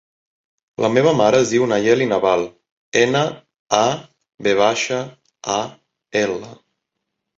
La meva mare es diu Nayeli Naval: ena, a, ve baixa, a, ela.